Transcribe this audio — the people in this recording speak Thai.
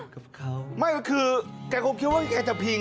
กลัวคือแกคงคิดว่าแกจะพิง